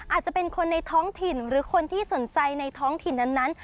อาจจะเป็นคนในท้องถิ่นหรือคนที่สนใจในท้องถิ่นนั้น